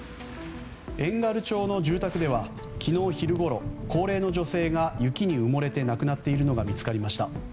遠軽町の住宅では昨日昼ごろ高齢の女性が雪に埋もれて亡くなっているのが見つかりました。